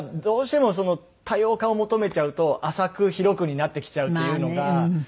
どうしても多様化を求めちゃうと浅く広くになってきちゃうっていうのが。